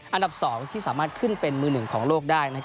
อันดับ๒ที่สามารถขึ้นเป็นมือหนึ่งของโลกได้